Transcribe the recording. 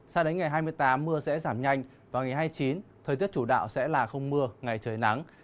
sao đến ngày hai mươi tám mưa sẽ giảm nhanh và ngày hai mươi chín thời tiết chủ đạo sẽ là không mưa ngày trời nắng